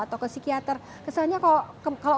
atau ke psikiater kesannya kalau